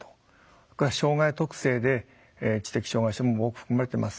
それから障害特性で知的障害者も多く含まれてます。